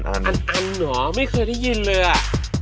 อันเหรอไม่เคยได้ยินเลยอ่ะ